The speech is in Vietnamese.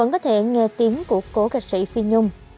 có thể nghe tiếng của cố ca sĩ phi nhung